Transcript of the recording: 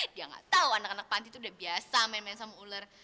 dia gak tahu anak anak panti tuh udah biasa main main sama ular